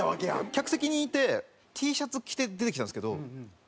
客席にいてＴシャツ着て出てきたんですけどある。